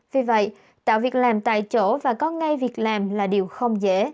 vì vậy tạo việc làm tại chỗ và có ngay việc làm là điều không dễ